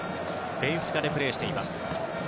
ベンフィカでプレーしています。